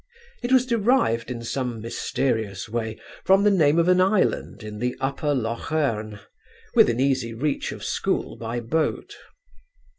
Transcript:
It was derived in some mysterious way from the name of an island in the Upper Loch Erne, within easy reach of the school by boat.